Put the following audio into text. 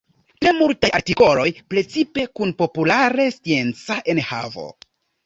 Tre multaj artikoloj precipe kun populare scienca enhavo.